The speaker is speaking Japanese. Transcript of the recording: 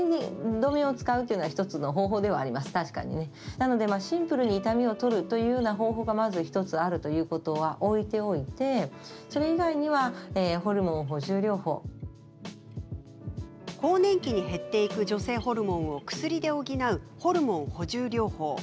なのでシンプルに痛みを取るというような方法がまず１つあるということは置いておいて更年期に減っていく女性ホルモンを薬で補うホルモン補充療法。